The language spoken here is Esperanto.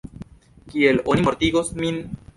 Kiel oni mortigos min?